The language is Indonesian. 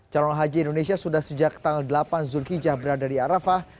calon haji indonesia sudah sejak tanggal delapan zulkijah berada di arafah